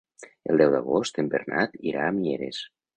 El deu d'agost en Bernat irà a Mieres.